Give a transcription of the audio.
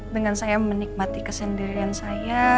dengan saya menikmati kesendirian saya